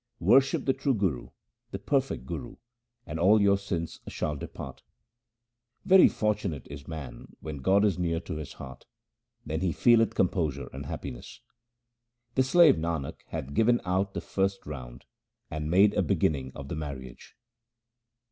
Worship the true Guru, the perfect Guru, and all your sins shall depart. Very fortunate is man when God is near to his heart ; then he feeleth composure and happiness. The slave Nanak hath given out the first round and made a beginning of the marriage.